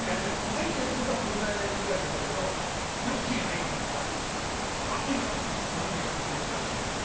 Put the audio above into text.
入ってるってことはこのぐらいの焼き具合でやんないとよく火が入っちゃうから「今だ」ってお肉が言ってくれる瞬間に返すんです。